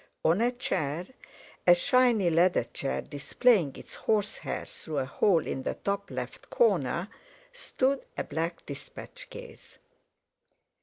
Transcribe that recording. On a chair—a shiny leather chair, displaying its horsehair through a hole in the top left hand corner—stood a black despatch case.